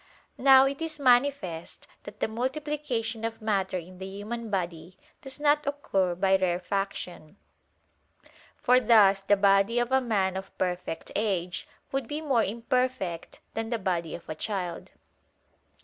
Now it is manifest that the multiplication of matter in the human body does not occur by rarefaction: for thus the body of a man of perfect age would be more imperfect than the body of a child.